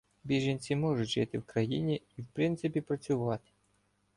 Біженці можуть жити в країні і, в принципі, працювати